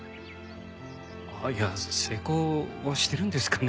あっいやあ成功してるんですかね？